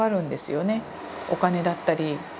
お金だったり。